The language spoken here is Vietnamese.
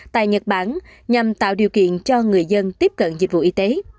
tại nhật bản nhằm tạo điều kiện cho người dân tiếp cận dịch vụ y tế